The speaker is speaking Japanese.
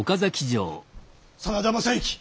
真田昌幸